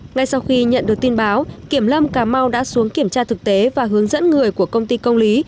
ngay sau khi nhận được tin báo kiểm lâm cà mau đã xuống kiểm tra thực tế và hướng dẫn người của công ty công lý